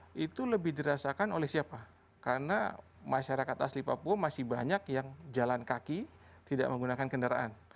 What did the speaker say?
nah itu lebih dirasakan oleh siapa karena masyarakat asli papua masih banyak yang jalan kaki tidak menggunakan kendaraan